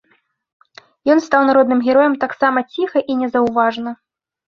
Ён стаў народным героем таксама ціха і незаўважна.